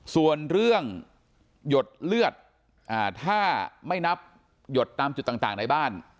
ส่วนเรื่องหยดเลือดถ้าไม่นับหยดตามจุดต่างในบ้าน